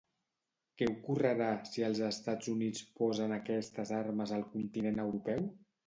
Què ocorrerà si els Estats Units posen aquestes armes al continent europeu?